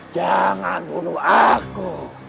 jangan bunuh aku